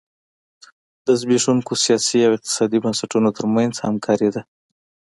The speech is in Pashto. د زبېښونکو سیاسي او اقتصادي بنسټونو ترمنځ همکاري ده.